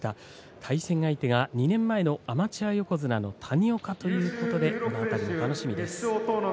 対戦相手が２年前のアマチュア横綱の谷岡ということでこの辺りも楽しみです。